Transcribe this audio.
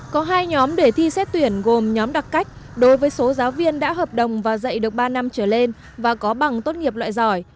có hai nhóm để thi xét tuyển gồm nhóm đặc cách đối với số giáo viên đã hợp đồng và dạy được ba năm trở lên và có bằng tốt nghiệp loại giỏi